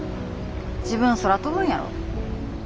自分空飛ぶんやろ？